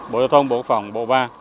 bộ giao thông bộ phòng bộ ba